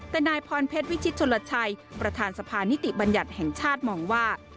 แต่นายพรเพชรวิชิตชนลชัยประธานสภานิติบัญญัติแห่งชาติมองว่า